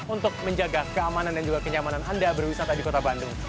untuk menjaga keamanan dan juga kenyamanan anda berwisata di kota bandung